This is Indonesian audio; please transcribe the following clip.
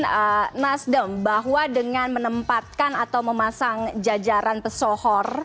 kemudian nasdem bahwa dengan menempatkan atau memasang jajaran pesohor